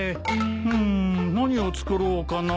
うーん何を作ろうかなあ。